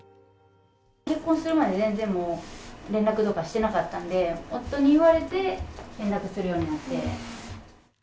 結婚するまで全然もう連絡とかしてなかったんで、夫に言われて、連絡するようになって。